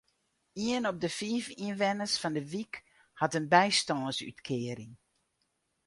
Ien op de fiif ynwenners fan de wyk hat in bystânsútkearing.